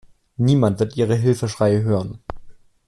Niemand wird Ihre Hilfeschreie hören.